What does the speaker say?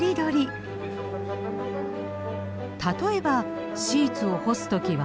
例えばシーツを干す時は？